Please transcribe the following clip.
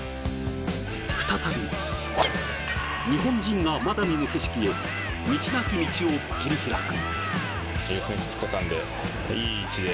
再び、日本人がまだ見ぬ景色へ道なき道を切り開く。